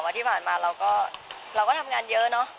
ที่ผ่านมาเราก็ทำงานเยอะเนอะ